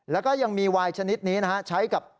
แล้วก็ยังมีไวล์ชนิดนี้นะครับ